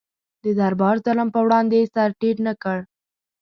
د دربار ظلم پر وړاندې سر ټیټ نه کړ.